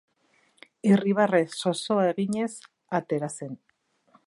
Irribarre zozoa eginez atera zen.